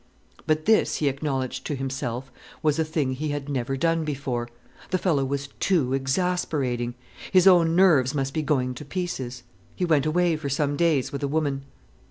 But this, he acknowledged to himself, was a thing he had never done before. The fellow was too exasperating. His own nerves must be going to pieces. He went away for some days with a woman.